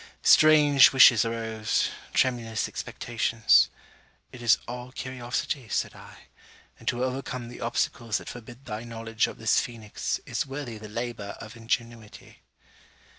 Strange wishes arose tremulous expectations. 'It is all curiosity,' said I; 'and to overcome the obstacles that forbid thy knowledge of this Phoenix, is worthy the labour of ingenuity.'